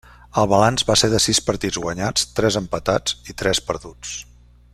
El balanç va ser de sis partits guanyats, tres empatats i tres perduts.